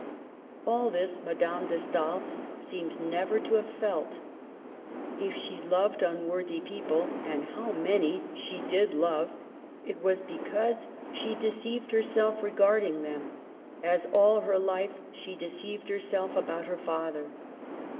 All this Madame de Stael seems never to have felt. If she loved unworthy people (and how many she did love !), it was because she deceived herself regarding them, as all her life she de ceived herself about her father.